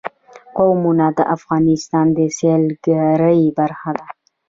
قومونه د افغانستان د سیلګرۍ برخه ده.